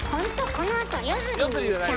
このあと夜釣りに行っちゃうの？